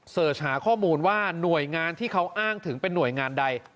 เสิร์ชหาข้อมูลว่าหน่วยงานที่เขาอ้างถึงเป็นหน่วยงานใด